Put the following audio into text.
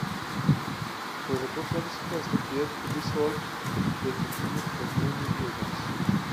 Though the problems first appeared to be solved, they continued for many users.